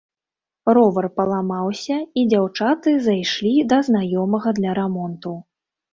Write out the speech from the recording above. Ровар паламаўся і дзяўчаты зайшлі да знаёмага для рамонту.